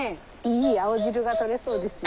いい青汁が取れそうですよ。